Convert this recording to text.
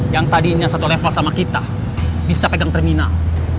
yang tadinya satu level sama kita bisa pegang terminal